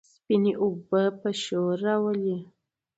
سپينې اوبه به شور راولي،